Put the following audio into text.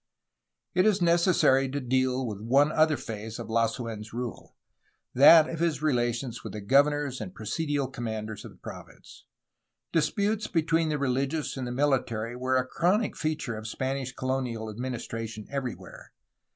It is necessary to deal with one other phase of Lasuen's rule, that of his relations with the governors and presidial commanders of the province. Disputes between the religious and the military were a chronic feature of Spanish colonial administration everywhere.